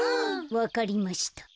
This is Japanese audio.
わかりました。